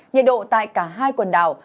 nhiệt độ tại cả hai quần đảo